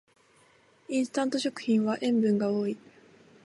インスタント食品は塩分が多い